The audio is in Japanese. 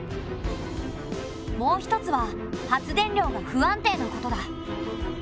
もう一つは発電量が不安定なことだ。